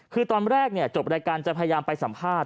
คือตอนแรกจบรายการจะพยายามไปสัมภาษณ